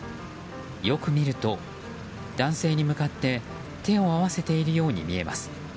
よく見ると、男性に向かって手を合わせているように見えます。